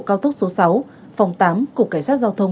cao tốc số sáu phòng tám cục cảnh sát giao thông